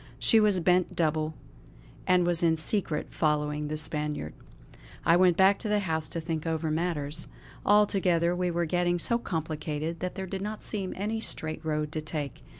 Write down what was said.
She was bent double, and was in secret following the Spaniard. I went back to the house to think over matters. Altogether, we were getting so complicated that there did not seem any straight road to take.